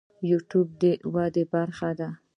یوازیتوب د ودې برخه ده.